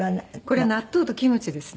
これは納豆とキムチですね。